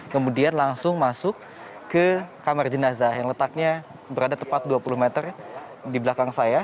kemudian langsung masuk ke kamar jenazah yang letaknya berada tepat dua puluh meter di belakang saya